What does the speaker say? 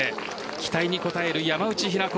期待に応える山内日菜子。